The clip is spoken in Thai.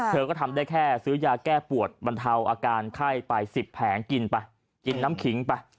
เธอก็ทำได้แค่ซื้อยาแก้ปวดบรรเทาอาการไข้ไป๑๐แผงกินไปกินน้ำขิงไป